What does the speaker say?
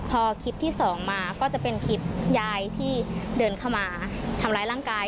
พอคลิปที่สองมาก็จะเป็นคลิปยายที่เดินเข้ามาทำร้ายร่างกาย